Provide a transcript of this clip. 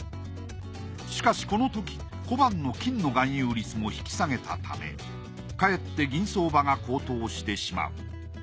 しかしこのとき小判の金の含有率も引き下げたためかえって銀相場が高騰してしまう。